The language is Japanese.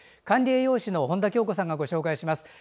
管理栄養士の本多京子さんがご紹介します。